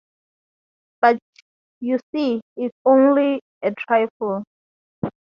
But, you see, it’s only a trifle.